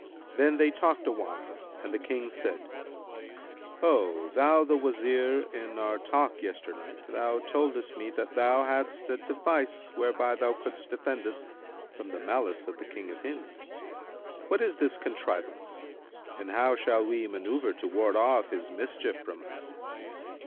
Then they talked awhile and the King said, "Ho, thou the Wazir,[FN#171] in our talk yesternight thou toldest me that thou hadst a device whereby thou couldst defend us from the malice of the King of Hind. What is this contrivance and how shall we manњuvre to ward off his mischief from us?